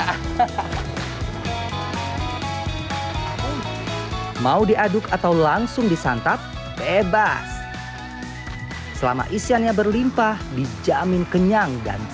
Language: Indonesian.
hai mau diaduk atau langsung disantap bebas selama isiannya berlimpah dijamin kenyang dan